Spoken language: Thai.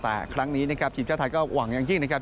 แต่ครั้งนี้นะครับทีมชาติไทยก็หวังอย่างยิ่งนะครับ